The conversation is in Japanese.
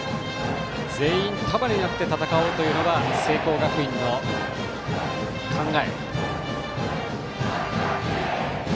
全員束になって戦おうというのが聖光学院の考え。